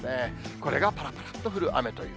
これがぱらぱらっと降る雨という。